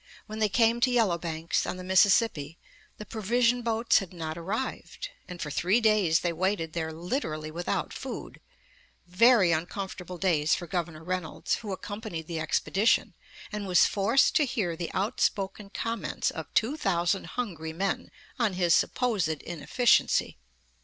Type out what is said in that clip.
When they came to Yellow Banks, on the Mississippi, the provision boats had not arrived, and for three days they waited there literally without food; very uncomfortable days for Governor Reynolds, who accompanied the expedition, and was forced to hear the outspoken comments of two thousand hungry men on his supposed inefficiency.